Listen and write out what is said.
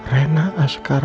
rena ascara elsa dan keisha